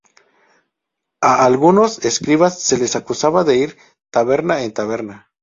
A algunos escribas se les acusaba de ir de taberna en taberna.